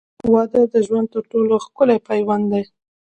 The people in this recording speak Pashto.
• واده د ژوند تر ټولو ښکلی پیوند دی.